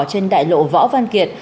trên đại lộ võ văn kiệt